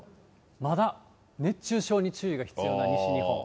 まだ熱中症に注意が必要な西日本。